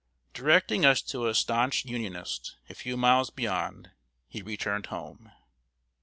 Directing us to a stanch Unionist, a few miles beyond, he returned home.